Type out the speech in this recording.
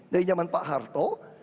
dari zaman pak harto